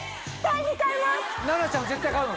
絶対に買います！